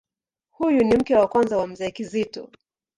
Huyu ni mke wa kwanza wa Mzee Kizito.